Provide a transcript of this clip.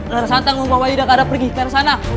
larasantang membawa wali dan kak adap pergi ke arah sana